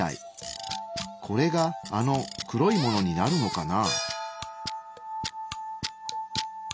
これがあの黒いものになるのかな？